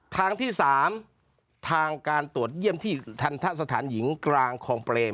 ทางที่๓ทางการตรวจเยี่ยมที่ทันทะสถานหญิงกลางคลองเปรม